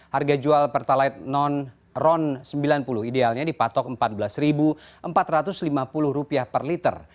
harga jual pertalite non ron sembilan puluh idealnya dipatok rp empat belas empat ratus lima puluh per liter